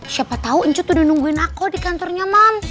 siapa tau incu tuh udah nungguin aku di kantornya mams